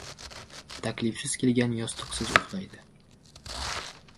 • Taklifsiz kelgan yostiqsiz uxlaydi.